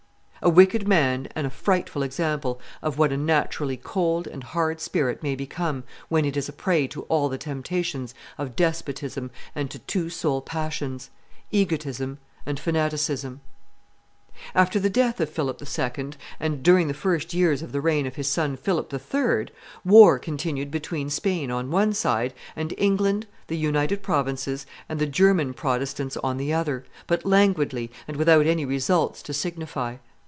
A wicked man and a frightful example of what a naturally cold and hard spirit may become when it is a prey to all the temptations of despotism and to two sole passions, egotism and fanaticism. After the death of Philip II. and during the first years of the reign of his son Philip III., war continued between Spain on one side, and England, the United Provinces, and the German Protestants on the other, but languidly and without any results to signify.